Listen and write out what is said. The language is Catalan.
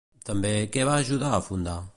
També, què va ajudar a fundar?